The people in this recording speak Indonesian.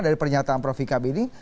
dari pernyataan prof vika bini